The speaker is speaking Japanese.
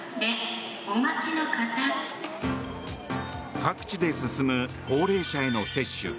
各地で進む高齢者への接種。